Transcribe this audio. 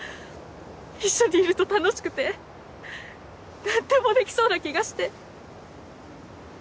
一緒にいると楽しくて何でもできそうな気がして。